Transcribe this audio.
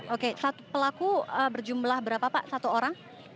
oke pelaku berjumlah berapa pak satu orang